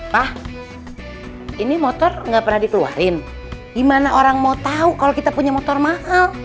pak ini motor gak pernah dikeluarin gimana orang mau tahu kalau kita punya motor mahal